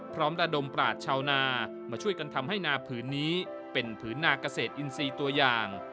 ระดมปราศชาวนามาช่วยกันทำให้นาผืนนี้เป็นผืนนาเกษตรอินทรีย์ตัวอย่าง